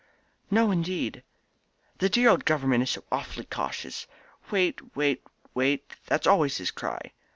"No, indeed." "The dear old governor is so awfully cautious. Wait, wait, wait, that's always his cry.